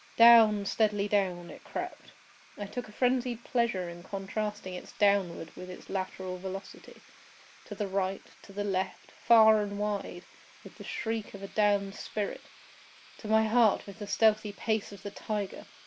Down—steadily down it crept. I took a frenzied pleasure in contrasting its downward with its lateral velocity. To the right—to the left—far and wide—with the shriek of a damned spirit! to my heart with the stealthy pace of the tiger!